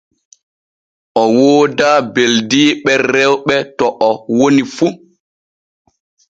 O woodaa beldiiɓe rewɓe to o woni fu.